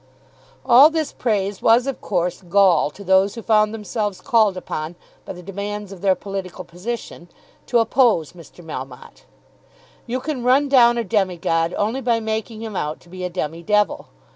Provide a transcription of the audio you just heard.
All this praise was of course gall to those who found themselves called upon by the demands of their political position to oppose Mr. Melmotte. You can run down a demi god only by making him out to be a demi devil.